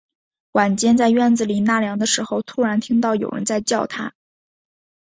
晚间，在院子里纳凉的时候，突然听到有人在叫他